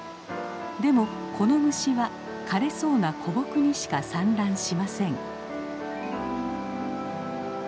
でもこの虫は枯れそうな古木にしか産卵しません。